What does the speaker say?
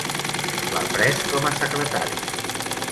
L'ha pres com a secretària.